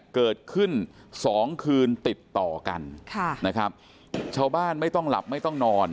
เกิดขึ้นสองคืนติดต่อกันค่ะนะครับชาวบ้านไม่ต้องหลับไม่ต้องนอน